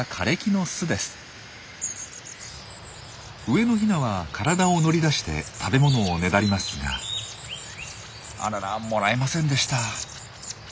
上のヒナは体を乗り出して食べ物をねだりますがあららもらえませんでした。